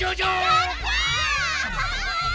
やった！